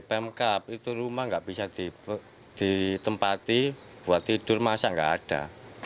pemkap itu rumah nggak bisa ditempati buat tidur masa nggak ada